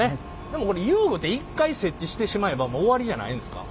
でもこれ遊具て一回設置してしまえばもう終わりじゃないんですか？